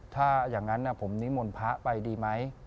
ถ้าอย่างนั้นน่ะผมนิมนภาพไปดีไหม